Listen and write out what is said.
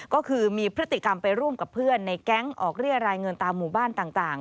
ก็คือมีพฤติกรรมไปร่วมกับเพื่อนในแก๊งออกเรียรายเงินตามหมู่บ้านต่าง